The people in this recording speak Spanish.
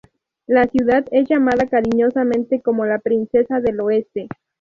La ciudad es llamada cariñosamente como la "Princesa del Oeste".